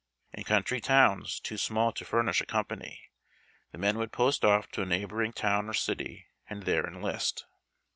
In country towns too small to furnish a comi)any, the men would post off to a neighboring town or city, and there enlist.